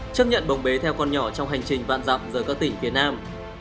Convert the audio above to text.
chấp nhận bồng bế theo con nhỏ trong hành trình vạn dặm rời các tỉnh phía nam